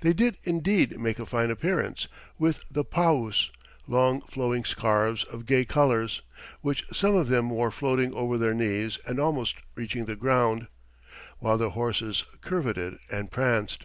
They did indeed make a fine appearance, with the paus, long flowing scarfs of gay colours, which some of them wore floating over their knees and almost reaching the ground, while their horses curvetted and pranced.